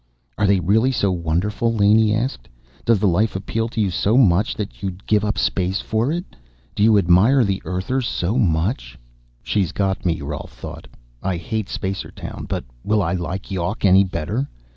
"Are they really so wonderful?" Laney asked. "Does the life appeal to you so much that you'll give up space for it? Do you admire the Earthers so much?" She's got me, Rolf thought. I hate Spacertown, but will I like Yawk any better?